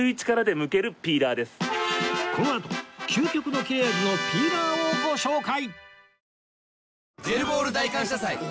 このあと究極の切れ味のピーラーをご紹介！